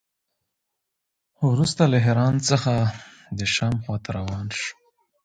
وروسته له حران څخه د شام خوا ته روان شو.